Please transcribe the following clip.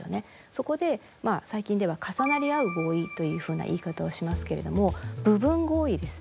そこで最近では重なり合う合意というふうな言い方をしますけれども部分合意ですね。